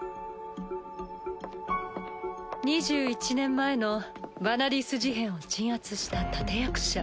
２１年前のヴァナディース事変を鎮圧した立て役者。